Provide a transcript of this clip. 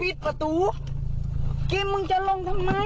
เอารถปิดประตูกิมมึงจะลงทำไม